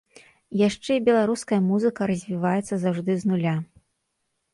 Яшчэ і беларуская музыка развіваецца заўжды з нуля.